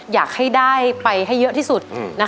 อยากให้ได้ไปให้เยอะที่สุด